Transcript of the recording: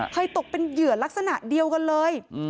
ตกเป็นเหยื่อลักษณะเดียวกันเลย